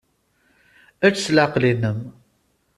Ečč s leɛqel-nnem.